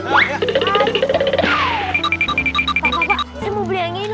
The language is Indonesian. pak bapak saya mau beli angin